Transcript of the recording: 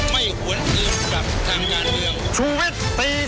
ไม่หวนเกินกลับทางงานเรียง